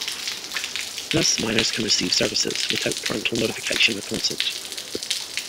Thus minors can receive services without parental notification or consent.